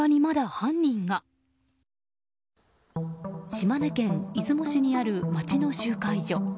島根県出雲市にある町の集会所。